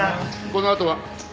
このあとは？